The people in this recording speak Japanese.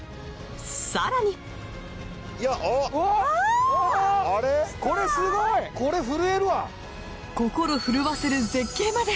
更に心震わせる絶景まで。